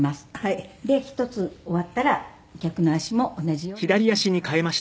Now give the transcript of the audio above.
で一つ終わったら逆の足も同じようにします。